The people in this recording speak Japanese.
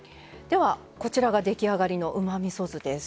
こちらが出来上がりのうまみそ酢です。